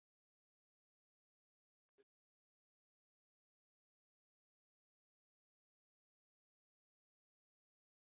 ফলে তারা এবারের আসরে অংশগ্রহণ করেনি ও স্বয়ংক্রিয়ভাবে বিশ্বকাপের চূড়ান্ত পর্বে খেলে।